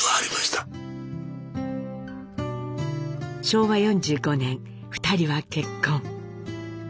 昭和４５年２人は結婚。